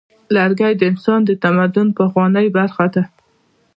لرګی د انسان د تمدن پخوانۍ برخه ده.